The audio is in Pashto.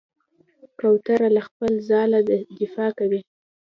کوتره له خپل ځاله دفاع کوي.